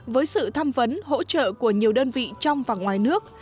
với sự tham vấn hỗ trợ của nhiều đơn vị trong và ngoài nước